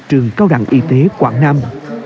trường cao đẳng y tế quảng nam